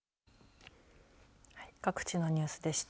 各地のニュースでした。